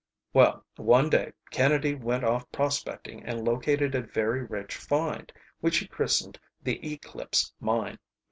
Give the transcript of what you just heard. "Well, one day Kennedy went off prospecting and located a very rich find, which he christened the Eclipse Mine.